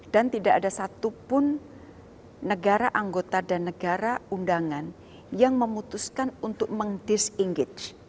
dan tidak ada satupun negara anggota dan negara undangan yang memutuskan untuk meng disengage